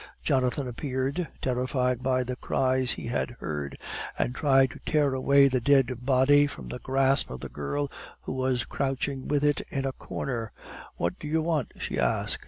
Jonathan appeared, terrified by the cries he had heard, and tried to tear away the dead body from the grasp of the girl who was crouching with it in a corner. "What do you want?" she asked.